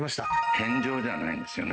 返上じゃないんですよね。